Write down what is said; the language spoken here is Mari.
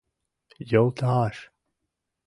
Йолта-аш!